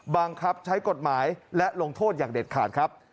บังคับใช้กฎหมายและลงโทษอย่างเด็ดขาดครับ